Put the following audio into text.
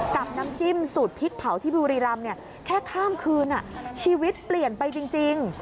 กับน้ำจิ้มสูตรพริกเผาที่บุรีรำแค่ข้ามคืนชีวิตเปลี่ยนไปจริง